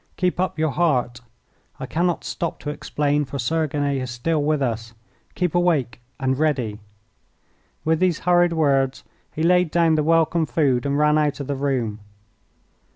Keep up your heart! I cannot stop to explain, for Sergine is still with us. Keep awake and ready!" With these hurried words he laid down the welcome food and ran out of the room.